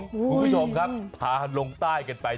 คุณผู้ชมครับพาลงใต้กันไป